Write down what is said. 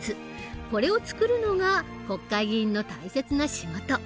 これを作るのが国会議員の大切な仕事。